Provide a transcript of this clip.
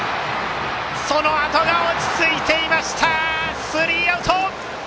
そのあとが落ち着いていましたスリーアウト！